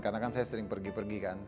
karena kan saya sering pergi pergi kan